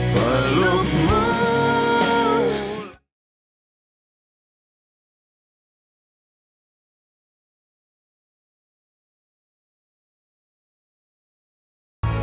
werkah juga n šos asik